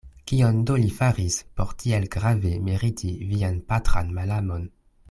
Kion do li faris, por tiel grave meriti vian patran malamon?